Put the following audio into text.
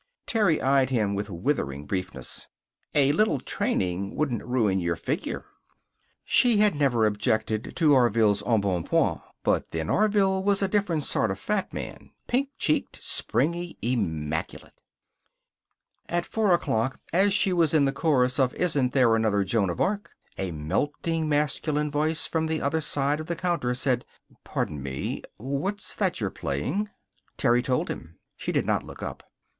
Terry eyed him with withering briefness. "A little training wouldn't ruin your figure." She had never objected to Orville's embonpoint. But then, Orville was a different sort of fat man; pink cheeked, springy, immaculate. At four o'clock, as she was in the chorus of "Isn't There Another Joan of Arc?" a melting masculine voice from the other side of the counter said "Pardon me. What's that you're playing?" Terry told him. She did not look up.